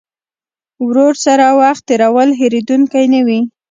ورور سره وخت تېرول هېرېدونکی نه وي.